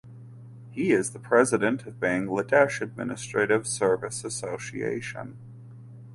He is the President of Bangladesh Administrative Service Association.